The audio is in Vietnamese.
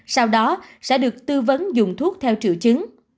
sau đó sẽ được tư vấn dùng thuốc theo triệu chứng